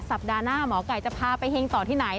สัปดาห์หน้าหมอไก่จะพาไปเฮงต่อที่ไหน